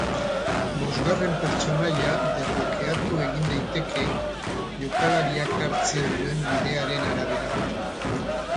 Bosgarren pertsonaia desblokeatu egin daiteke jokalariak hartzen duen bidearen arabera.